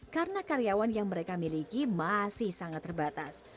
karena karyawan yang mereka miliki masih sangat terbatas